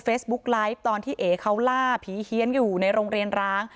ไลฟ์ตอนที่เอ๋เขาล่าผีเฮียนอยู่ในโรงเรียนร้าง